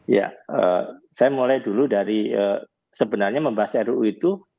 ya saya mulai dulu dari sebenarnya membahas ruu itu